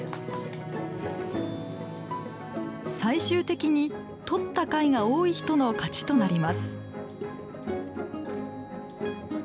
最終的に取った貝が多い人の勝ちとなります。